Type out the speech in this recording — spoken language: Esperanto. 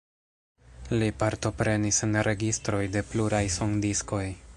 Li partoprenis en registroj de pluraj sondiskoj.